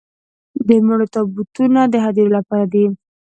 د مړو تابوتونه د هديرو لپاره دي.